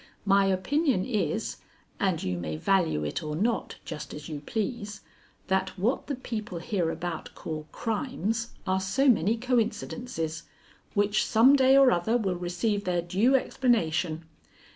My opinion is and you may value it or not, just as you please that what the people hereabout call crimes are so many coincidences, which some day or other will receive their due explanation.